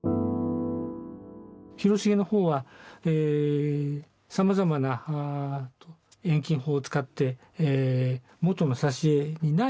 広重の方はさまざまな遠近法を使って元の挿絵にないですね